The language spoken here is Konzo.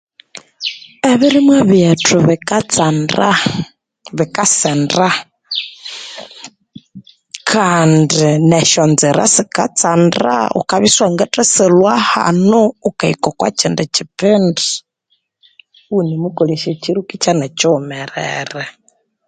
Ebirimwa bethu bikatsanda bikasenda Kandi neshotsira sikatsanda ghukabya isiwangathashalhwa hano ghukahika okikindi kipindi ighunemukolesha ekiruka kyanekighumerere